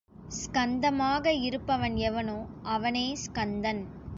ஸ்கந்தமாக இருப்பவன் எவனோ அவனே ஸ்கந்தன்.